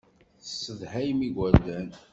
Tessedhayem igerdan.